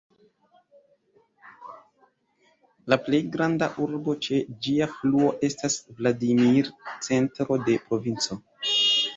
La plej granda urbo ĉe ĝia fluo estas Vladimir, centro de provinco.